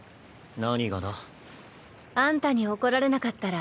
何がだ？あんたに怒られなかったら